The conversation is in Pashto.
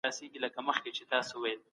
زغم جګړې ختموي.